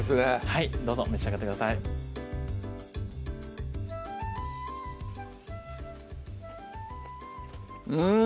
はいどうぞ召し上がってくださいうん！